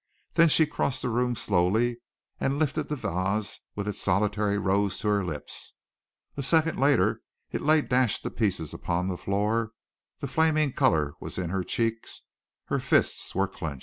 Then she crossed the room slowly, and lifted the vase with its solitary rose to her lips. A second later it lay dashed to pieces upon the floor, the flaming color was in her cheeks, her fists were clenched.